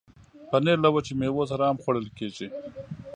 پنېر له وچو میوو سره هم خوړل کېږي.